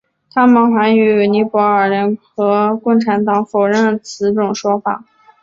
他们还与尼泊尔联合共产党否认此种说法。